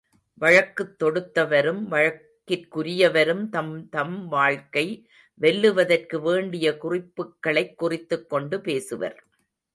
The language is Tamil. வழக்குத் தொடுத்தவரும் வழக்கிற்குரியவரும் தம் தம் வழக்கை வெல்லுவதற்கு வேண்டிய குறிப்புக்களைக் குறித்துக் கொண்டு பேசுவர்.